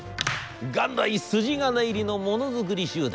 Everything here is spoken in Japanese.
元来筋金入りのものづくり集団。